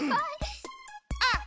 あっ！